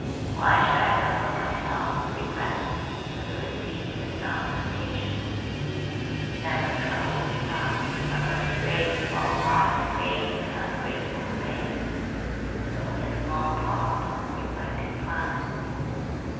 Why should I cumber myself with regrets that the receiver is not capacious? It never troubles the sun that some of his rays fall wide and vain into ungrateful space, and only a small part on the reflecting planet.